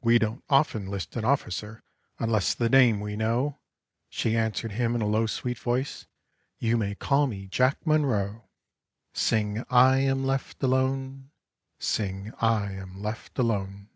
"We don't often 'list an officer Unless the name we know;" She answered him in a low, sweet voice, "You may call me Jack Munro." Sing I am left alone, Sing I am left alone.